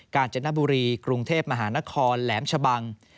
การจนบุรีกรุงเทพมหานครแหลมชะบัง